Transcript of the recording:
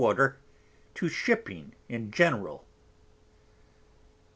} {to Shipping in general.